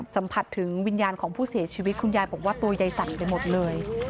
สัมผัสถึงวิญญาณของผู้เสียชีวิตคุณยายบอกว่าตัวยายสั่นไปหมดเลย